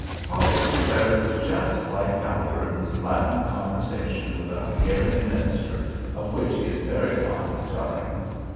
Polly declared it was just like Haliburton's Latin conversation with the Hungarian minister, of which he is very fond of telling.